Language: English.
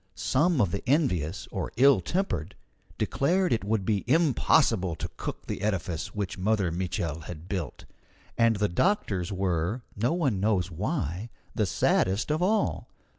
Some of the envious or ill tempered declared it would be impossible to cook the edifice which Mother Mitchel had built; and the doctors were, no one knows why, the saddest of all.